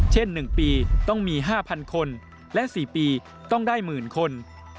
เช่น๑ปีต้องมี๕๐๐คนและ๔ปีต้องได้หมื่นคน